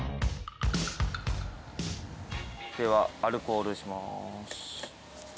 ではアルコールします。